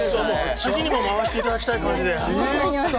次にも回していただきたい感じで。